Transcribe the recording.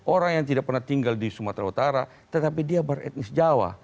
orang yang tidak pernah tinggal di sumatera utara tetapi dia beretnis jawa